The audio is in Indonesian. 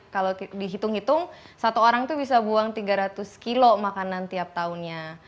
kalau dihitung hitung satu orang itu bisa buang tiga ratus kilo makanan tiap tahunnya